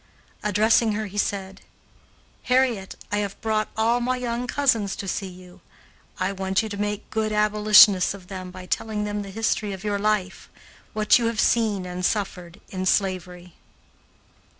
Addressing her, he said: "Harriet, I have brought all my young cousins to see you. I want you to make good abolitionists of them by telling them the history of your life what you have seen and suffered in slavery."